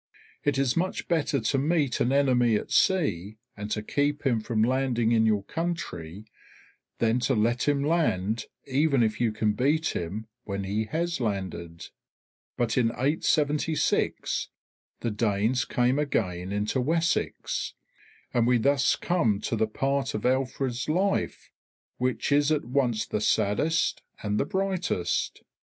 It is much better to meet an enemy at sea, and to keep him from landing in your country, than to let him land, even if you can beat him when he has landed. But in 876 the Danes came again into Wessex; and we thus come to the part of Alfred's life which is at once the saddest and the brightest.